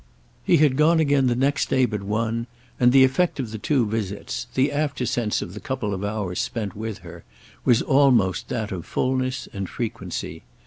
He had gone again the next day but one, and the effect of the two visits, the after sense of the couple of hours spent with her, was almost that of fulness and frequency.